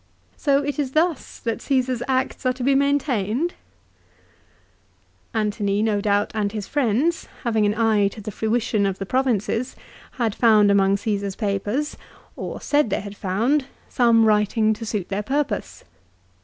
So it is thus that Caesar's acts are to be maintained ?" 2 Antony no doubt and his friends, having an eye to the fruition of the provinces, had found among Caesar's papers, or said they had found, some writing to suit their purpose.